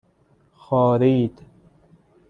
خارید